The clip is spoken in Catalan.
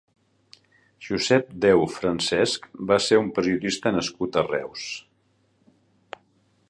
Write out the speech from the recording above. Josep Déu Francesch va ser un periodista nascut a Reus.